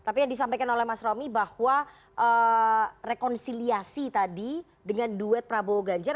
tapi yang disampaikan oleh mas romi bahwa rekonsiliasi tadi dengan duet prabowo ganjar